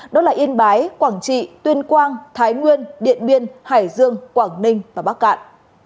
đó là yên bái quảng trị tuyên quang thái nguyên điện biên hải dương quảng ninh và bắc cạn